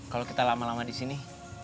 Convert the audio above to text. kalau kita lama lama di sini